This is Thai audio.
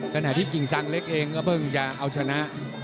จนแห่งที่ชิงชั้นเล็กเองก็เพิ่งจะเอาชนะ